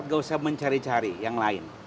gak usah mencari cari yang lain